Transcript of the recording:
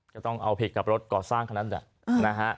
ก็ต้องเอาผิดกับรถก่อสร้างคนนั้นแหละนะฮะ